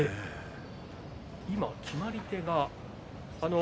今、決まり手が。